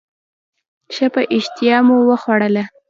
ښه په اشتهامو وخوړله.